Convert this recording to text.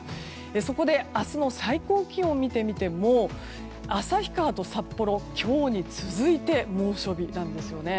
そこで明日の最高気温を見てみても旭川と札幌は今日に続いて猛暑日なんですね。